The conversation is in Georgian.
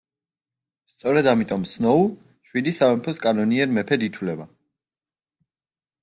სწორედ ამიტომ სნოუ, შვიდი სამეფოს კანონიერ მეფედ ითვლება.